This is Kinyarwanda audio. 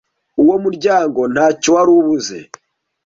uwo muryango ntacy wari ubuze